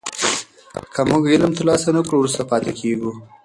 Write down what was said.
که موږ علم ترلاسه نه کړو وروسته پاتې کېږو.